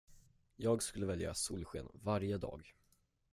Jag skulle välja solsken varje dag.